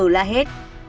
ông b là hết